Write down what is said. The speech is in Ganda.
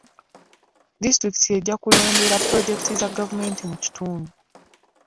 Disitulikiti ejja kulondoola pulojekiti za gavumenti mu kitundu.